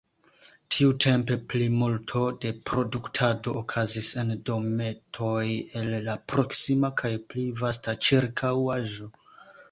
Tiutempe plimulto de produktado okazis en dometoj el la proksima kaj pli vasta ĉirkaŭaĵo.